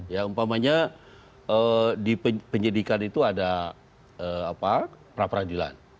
ya umpamanya di penyidikan itu ada pra peradilan